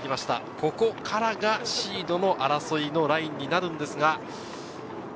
ここからがシードの争いのラインになります。